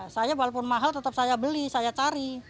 saya walaupun mahal tetap saya beli saya cari